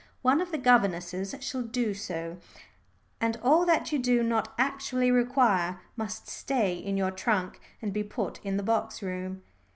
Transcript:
One of the governesses shall do so, and all that you do not actually require must stay in your trunk and be put in the box room."